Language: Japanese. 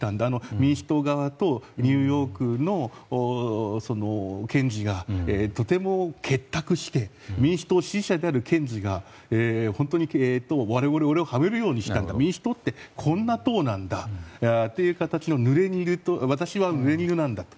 民主党とニューヨークの検事がとても結託して民主党支持者である検事が我々をはめるようにしたんだ民主党ってこんな党なんだという形で私は、ぬれ衣なんだと。